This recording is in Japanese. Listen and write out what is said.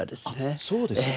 そうですか？